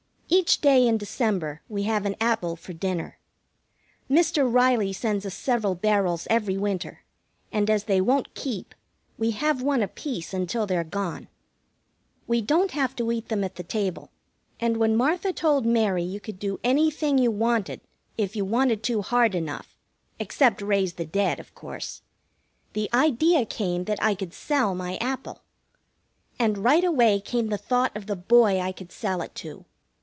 Each day in December we have an apple for dinner. Mr. Riley sends us several barrels every winter, and, as they won't keep, we have one apiece until they're gone. We don't have to eat them at the table, and when Martha told Mary you could do anything you wanted if you wanted to hard enough except raise the dead, of course the idea came that I could sell my apple. And right away came the thought of the boy I could sell it to.